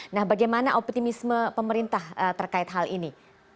nah bagaimana optimisme pemerintah terkait hal ini